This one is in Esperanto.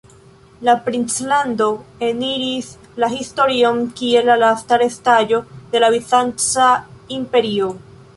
La princlando eniris la historion kiel la lasta restaĵo de la Bizanca Imperio.